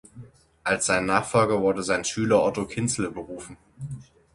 Als sein Nachfolger wurde sein Schüler Otto Kienzle berufen.